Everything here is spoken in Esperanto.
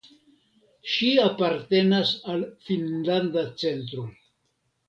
Ŝi apartenas al Finnlanda Centro.